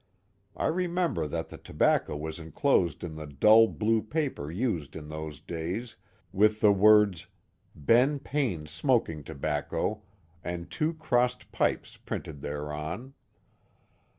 I remem ber that the tobacco was inclosed in the dull blue paper used in those days, with the words " Ben Payn*s Smoking To bacco and two crossed pipes printed thereon.